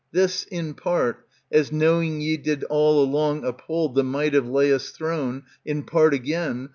This, in part, As knowing ye did all along uphold The might of Laios' throne, in part again.